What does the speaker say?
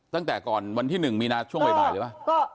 ตั้งแต่ก่อนวันที่๑มีนาช่วงบ่ายเลยป่ะ